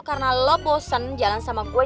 karena lo bosen jalan sama gue